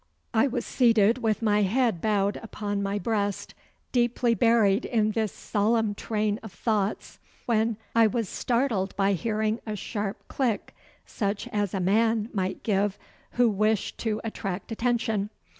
I was seated with my head bowed upon my breast, deeply buried in this solemn train of thoughts, when I was startled by hearing a sharp click, such as a man might give who wished to attract attention.